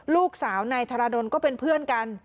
ลูกสาวนายธรดลก็เป็นเพื่อนกัน